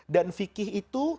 dan fikih itu